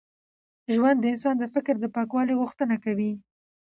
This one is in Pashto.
ژوند د انسان د فکر د پاکوالي غوښتنه کوي.